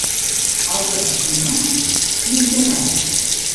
Els de Perpinyà, menja-rates.